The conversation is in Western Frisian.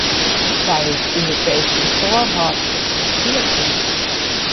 Sy is Europeesk rekôrhâldster op de triatlon.